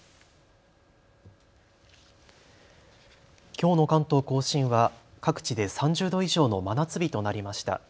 きょうの関東甲信は各地で３０度以上の真夏日となりました。